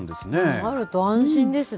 あると安心ですね。